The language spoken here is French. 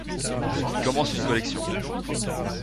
Il commence une collection.